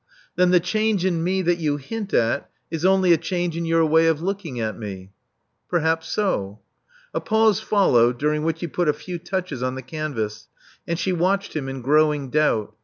Then the change in me that you hint at is only a change in your way of looking at me." Perhaps so." A pause followed, during which he put a few touches on the canvas, and she watched him in growing doubt.